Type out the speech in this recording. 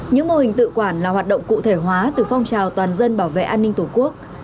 những mô hình tự quản là hoạt động cụ thể hóa từ phong trào toàn dân bảo vệ an ninh tổ quốc